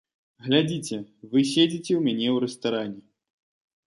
Глядзіце, вы седзіце ў мяне ў рэстаране.